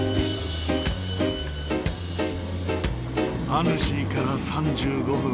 アヌシーから３５分。